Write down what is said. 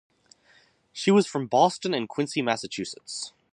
She was from Boston and Quincy Massachusetts.